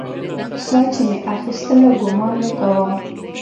ساه چې مې اخيستله ګومان مې کاوه.